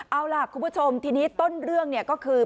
เอาล่ะคุณผู้ชมทีนี้ต้นเรื่องเนี่ยก็คือ